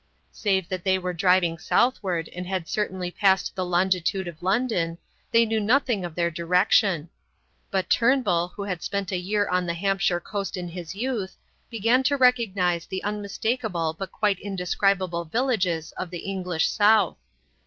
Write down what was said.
Save that they were driving southward and had certainly passed the longitude of London, they knew nothing of their direction; but Turnbull, who had spent a year on the Hampshire coast in his youth, began to recognize the unmistakable but quite indescribable villages of the English south.